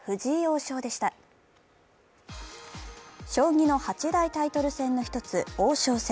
将棋の８大タイトル戦の１つ王将戦。